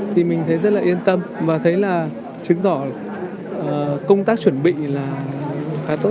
thì mình thấy rất yên tâm và thấy là chứng tỏ công tác chuẩn bị khá tốt